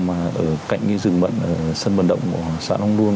mà ở cạnh cái rừng mận ở sân vận động của xã long luông